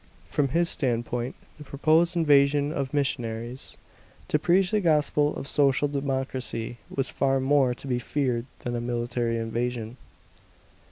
From his standpoint the proposed invasion of missionaries "to preach the gospel of social democracy," was far more to be feared than a military invasion.